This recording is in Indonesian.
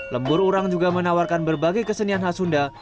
lembur urang juga menawarkan berbagai kesenian khas sunda